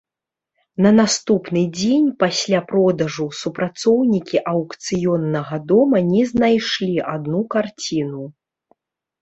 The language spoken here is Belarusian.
На наступны дзень пасля продажу супрацоўнікі аўкцыённага дома не знайшлі адну карціну.